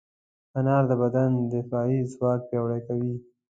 انار د بدن دفاعي ځواک پیاوړی کوي.